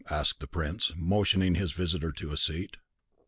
asked the prince, motioning his visitor to a seat.